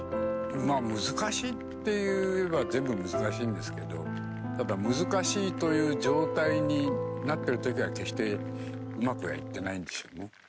まあ難しいって言えば全部難しいんですけどただ難しいという状態になってるときは決してうまくはいってないんでしょうね。